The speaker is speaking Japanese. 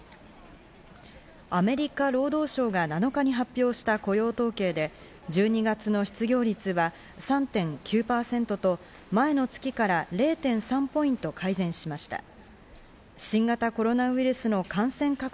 アメリカ労働省が７日に発表した雇用統計で、１２月の失業率は３．９％と前の月から０．３ポイント改善しました。